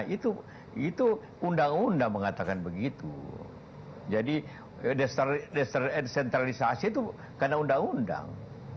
itu itu undang undang mengatakan begitu jadi desentralisasi itu karena undang undang